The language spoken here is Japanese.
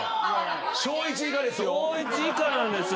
小１以下ですよ。